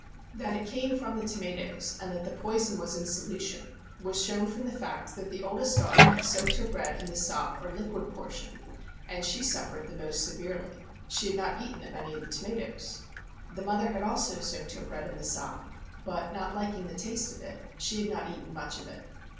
That it came from the tomatoes and that the poison was in solution, was shown from the fact, that the oldest daughter had soaked her bread in the sop or liquid portion, and she suffered the most severely ; she had not eaten of any of the tomatoes. The mother had also soaked her bread in the sop, but not liking the taste of it, she had not eaten much of it.